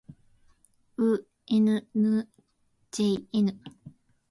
う ｍ ぬ ｊｎ